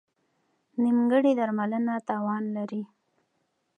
نیمګړې درملنه تاوان لري.